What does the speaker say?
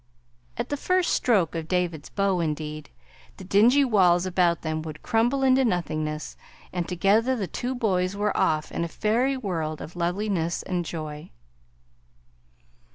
At the first stroke of David's bow, indeed, the dingy walls about them would crumble into nothingness, and together the two boys were off in a fairy world of loveliness and joy.